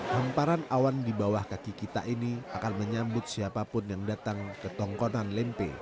hamparan awan di bawah kaki kita ini akan menyambut siapapun yang datang ke tongkonan lempe